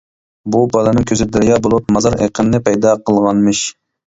بۇ بالىنىڭ كۆزى دەريا بولۇپ مازار ئېقىنىنى پەيدا قىلغانمىش.